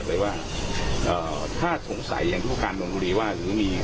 หรือมีพิษการบุคคลที่แตกหน้าเข้ามา